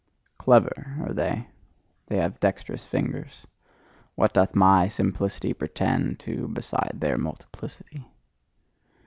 Clever are they they have dexterous fingers: what doth MY simplicity pretend to beside their multiplicity!